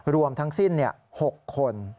รวมทั้งสิ้นเนี่ย๖คน